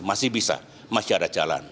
masih bisa masih ada jalan